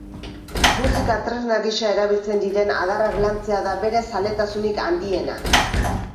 Musika-tresna gisa erabiltzen diren adarrak lantzea da bere zaletasunik handiena.